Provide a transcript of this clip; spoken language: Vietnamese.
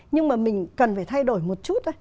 nhưng mà mình cần phải thay đổi một chút